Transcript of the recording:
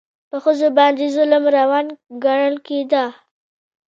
په ښځو باندې ظلم روان ګڼل کېده.